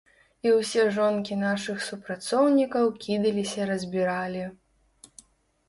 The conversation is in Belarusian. І ўсе жонкі нашых супрацоўнікаў кідаліся-разбіралі.